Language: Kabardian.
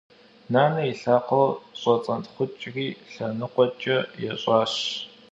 Нанэ и лъакъуэр щӏэцӏэнтхъукӏри лъэныкъуэкӏэ ещӏащ.